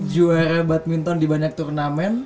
juara badminton di banyak turnamen